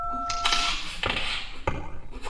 د نارينه پر وړاندې د يوه کمزوري جنس په توګه راڅرګندېږي.